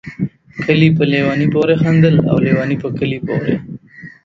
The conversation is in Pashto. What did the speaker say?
کلي په ليوني پوري خندل ، او ليوني په کلي پوري